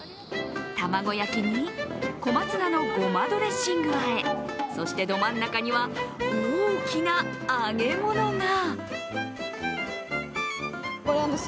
卵焼きに、小松菜のごまドレッシングあえそしてど真ん中には大きな揚げ物が。